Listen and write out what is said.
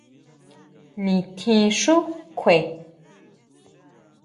Nintjin xú kjue.